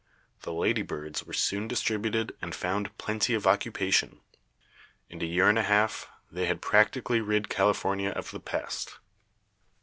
The lady birds were*soon distributed and found plenty of occupation. In a year and a half they had practically rid California of the pest."